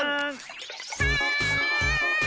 はい！